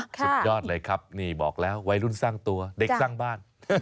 สุดยอดเลยครับนี่บอกแล้ววัยรุ่นสร้างตัวเด็กสร้างบ้าน